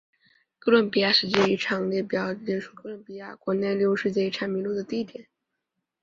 哥伦比亚世界遗产列表列出哥伦比亚国内列入世界遗产名录的地点。